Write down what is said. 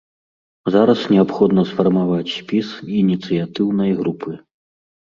Зараз неабходна сфармаваць спіс ініцыятыўнай групы.